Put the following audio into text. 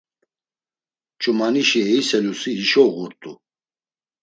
Ç̌umanişi eiselusi hişo uğurt̆u.